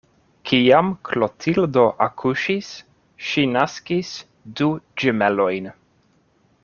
Kiam Klotildo akuŝis, ŝi naskis du ĝemelojn.